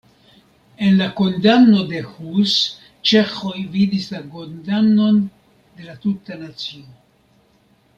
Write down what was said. En la kondamno de Hus ĉeĥoj vidis la kondamnon de la tuta nacio.